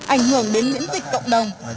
ảnh hưởng đến những dịch cộng đồng